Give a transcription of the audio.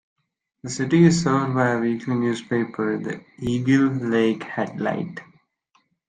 The city is served by a weekly newspaper, the "Eagle Lake Headlight".